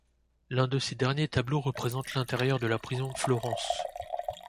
L'un de ses derniers tableaux représente l'intérieur de la prison de Florence.